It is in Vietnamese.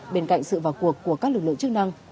bên cạnh sự vào cuộc của các lực lượng chức năng